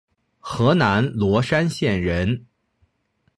河南罗山县人。